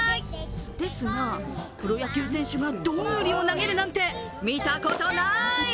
ですが、プロ野球選手がどんぐりを投げるなんて見たことない！